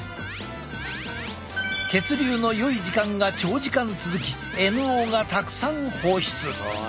血流のよい時間が長時間続きＮＯがたくさん放出！